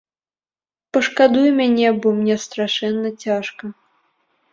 Пашкадуй мяне, бо мне страшэнна цяжка.